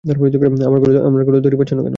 আমার গলায় দড়ি বাঁধছ না কেন?